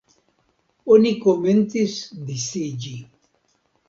Oni komencis disiĝi.